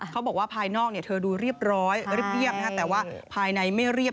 เขาบอกว่าภายนอกเธอดูเรียบร้อยเรียบแต่ว่าภายในไม่เรียบ